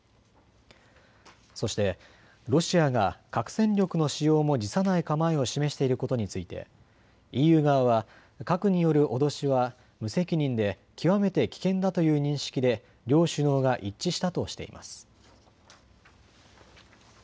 そしてロシアが核戦力の使用も辞さない構えを示していることについてＥＵ側は核による脅しは無責任で極めて危険だという認識で両首脳が一致したとしています。